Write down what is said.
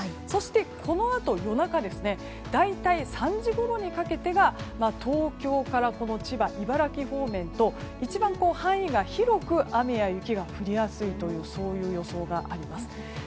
そして、このあと夜中に大体３時ごろにかけてが東京から千葉、茨城方面と一番範囲が広く雨や雪が降りやすいという予想があります。